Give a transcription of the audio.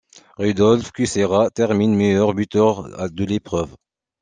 Rudolf Kučera termine meilleur buteur de l'épreuve.